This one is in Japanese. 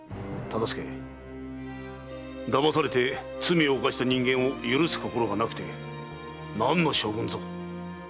忠相だまされて罪を犯した人間を許す心がなくて何の将軍ぞ。